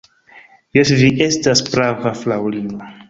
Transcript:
Jes, vi estas prava, fraŭlino.